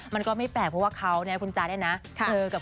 มันก็ไม่แปลกเพราะแรกของเขานาน